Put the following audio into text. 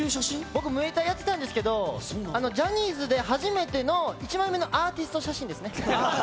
僕、ムエタイやってたんですけど、ジャニーズで初めての１枚目のアーティスト写真ですね。